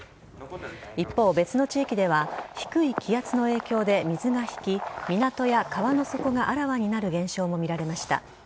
一方、別の地域では低い気圧の影響で水が引き港や川の底があらわになる現象も見られました。